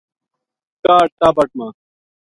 کاہڈ تابٹ ما